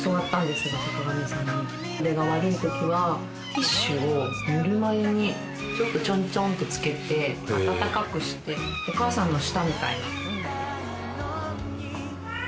ティッシュをぬるま湯にちょっとちょんちょんってつけて温かくしてお母さんの舌みたいな。